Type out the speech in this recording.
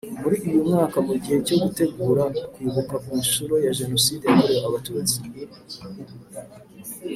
Muri uyu mwaka mu gihe cyo kwitegura kwibuka ku nshuro ya Jenoside yakorewe Abatutsi